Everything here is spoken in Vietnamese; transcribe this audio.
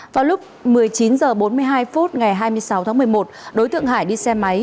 vào lúc một mươi chín h bốn mươi hai phút ngày hai mươi sáu tháng một mươi một đối tượng hải đi xe máy